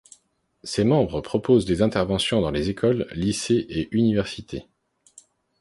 Ses membres proposent des interventions dans les écoles, lycées et universités.